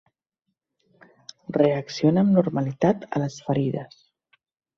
Reacciona amb normalitat a les ferides.